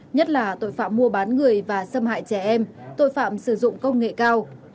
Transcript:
nhất là tội phạm mua bán người và xâm hại trẻ em tội phạm sử dụng công nghệ cao